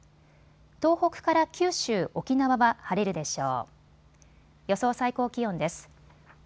東北から九州、沖縄は晴れるでしょう。